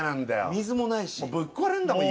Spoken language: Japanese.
水もないしぶっ壊れんだもん